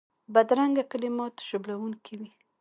بدرنګه کلمات ژوبلونکي وي